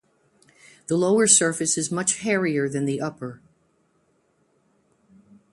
The lower surface is much hairier than the upper.